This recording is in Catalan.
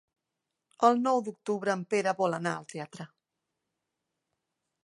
El nou d'octubre en Pere vol anar al teatre.